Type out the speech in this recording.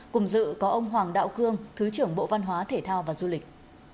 cùng dự có ông hoàng đạo cương thứ trưởng bộ văn hóa thể thao và du lịch